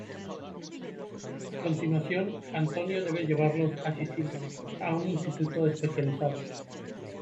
A continuación, Antonio debe llevarlos a Sicilia, a un instituto especializado.